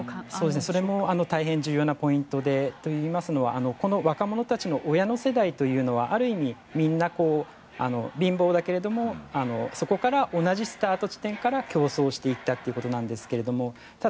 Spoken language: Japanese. それも大変重要なポイントでといいますのはこの若者の親の世代というのはある意味みんな貧乏だけれどもそこから同じスタート時点から競争していったということですがただ、